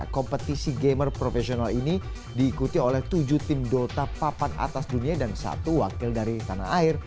kompetisi gamer profesional ini diikuti oleh tujuh tim dota papan atas dunia dan satu wakil dari tanah air